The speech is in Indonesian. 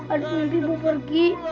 adik mimpi ibu pergi